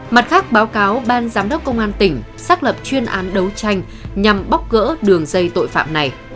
mặt khác báo cáo ban giám đốc công an tỉnh xác lập chuyên án đấu tranh nhằm bóc gỡ đường dây tội phạm này